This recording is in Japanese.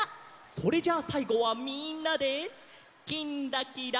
それじゃあさいごはみんなで「きんらきら」。